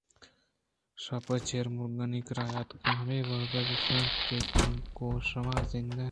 شپ چَر مُرگانی کِرّا اتک ءُ ہمے واہگے درشانت کہ گوں شما ننداں